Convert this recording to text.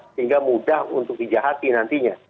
sehingga mudah untuk dijahati nantinya